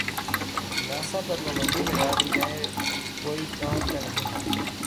NASA پر پابندی لگا دی جاۓ کوئی کام کا نہیں ہے